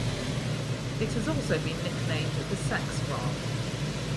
It has also been nicknamed the Sex Raft.